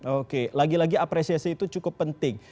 oke lagi lagi apresiasi itu cukup penting